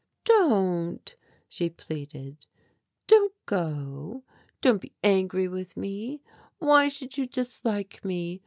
"Don't," she pleaded, "don't go. Don't be angry with me. Why should you dislike me?